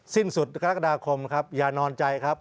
สิ้นสุดกรกฎาคมครับอย่านอนใจครับ